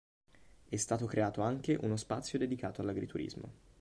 È stato creato anche uno spazio dedicato all'agriturismo.